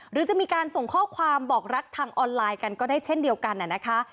หรือจะมีการส่งข้อความบอกรักทางออนไลน์กันก็ได้เช่นเดียวกันนะคะ